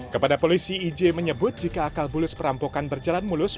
kepada polisi ij menyebut jika akal bulus perampokan berjalan mulus